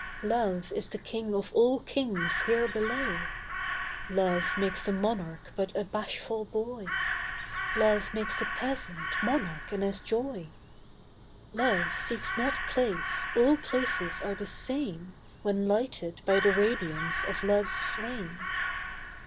Love is the king of all kings here below; Love makes the monarch but a bashful boy, Love makes the peasant monarch in his joy; Love seeks not place, all places are the same, When lighted by the radiance of love's flame.